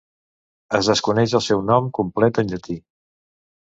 Es desconeix el seu nom complet en llatí.